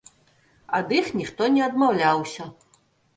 Ад іх ніхто не адмаўляўся.